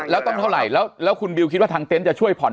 แล้วต้องเท่าไหร่แล้วคุณบิวคิดว่าทางเต็นต์จะช่วยผ่อน